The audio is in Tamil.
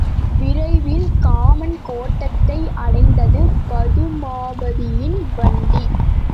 விரைவில் காமன் கோட்டத்தை அடைந்தது பதுமாபதியின் வண்டி.